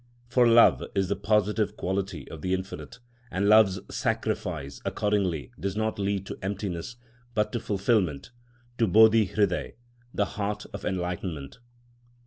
For love is the positive quality of the Infinite, and love's sacrifice accordingly does not lead to emptiness, but to fulfilment, to Bodhi hridaya, "the heart of enlightenment."